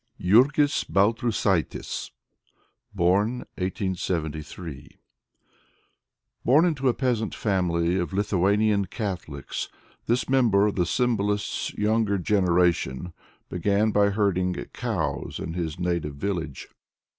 Yurgis Baltrushaitis (Born 1873) Born into a peasant family of Lithuanian Catholics, this member of the symbolists' younger generation began by herding cows in his native village.